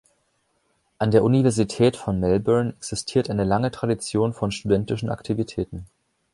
An der Universität von Melbourne existiert eine lange Tradition von studentischen Aktivitäten.